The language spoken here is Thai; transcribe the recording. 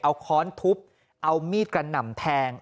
เอาค้อนทุบเอามีดกระหน่ำแทง